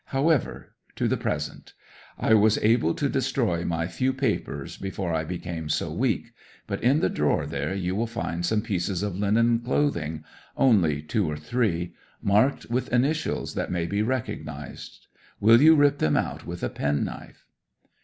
However, to the present. I was able to destroy my few papers before I became so weak ... But in the drawer there you will find some pieces of linen clothing only two or three marked with initials that may be recognized. Will you rip them out with a penknife?"